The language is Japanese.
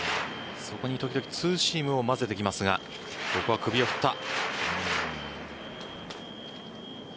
そこに時々ツーシームをまぜてきますがここは首を振った。